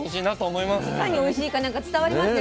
いかにおいしいかなんか伝わりますね。